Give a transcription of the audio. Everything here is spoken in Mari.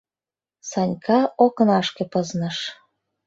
Санька окнашке пызныш.